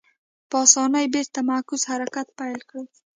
په اسانۍ بېرته معکوس حرکت پیل کړي.